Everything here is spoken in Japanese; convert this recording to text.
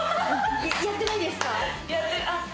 やってないですか？